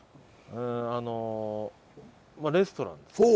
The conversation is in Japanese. あのまあレストランです。